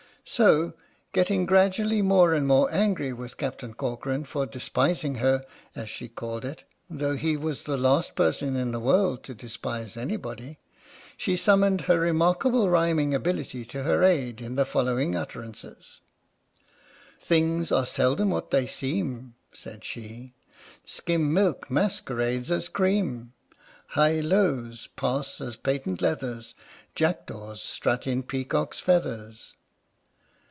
So, getting gradually more and more angry with Captain Corcoran for despising her, as she called it (though he was the last person in the world to despise anybody) she summoned her remarkable rhyming ability to her aid in the following utter ances : Things are seldom what they seem (said she) Skim milk masquerades as cream ; High lows pass as patent leathers; Jackdaws strut in peacocks' feathers.